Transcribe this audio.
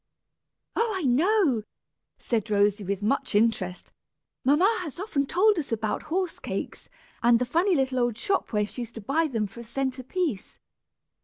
"Oh, I know!" said Rosy, with much interest. "Mamma has often told us about horse cakes, and the funny little old shop where she used to buy them for a cent apiece.